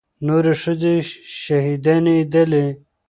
نورې ښځې شهيدانېدلې.